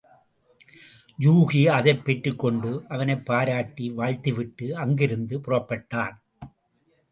யூகி அதைப் பெற்றுக்கொண்டு அவனைப் பாராட்டி வாழ்த்தி விட்டு, அங்கிருந்து புறப்பட்டான்.